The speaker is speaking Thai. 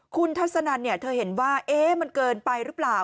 คุณทัศนันเธอเห็นว่ามันเกินไปหรือเปล่า